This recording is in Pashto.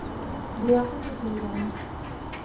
د یاقوتو سور غمی،